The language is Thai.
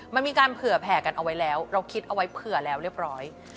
มันมีการเผื่อแผ่กันเอาไว้แล้วเราคิดเอาไว้เผื่อแล้วเรียบร้อย